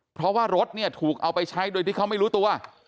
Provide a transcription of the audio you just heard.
เพราะว่ารถเนี่ยถูกเอาไปใช้โดยที่เขาไม่รู้ตัว